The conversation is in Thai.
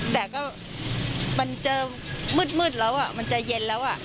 แต่ก็มันเจอมืดแล้วมันจะเย็นแล้ว